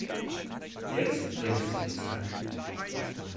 Jetzt bringt es nichts mehr.